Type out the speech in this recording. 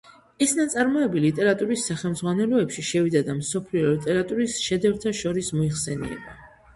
ეს ნაწარმოები ლიტერატურის სახელმძღვანელოებში შევიდა და მსოფლიო ლიტერატურის შედევრთა შორის მოიხსენიება.